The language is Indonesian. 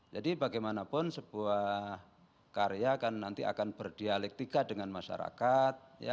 jadi bagaimanapun sebuah karya kan nanti akan berdialektika dengan masyarakat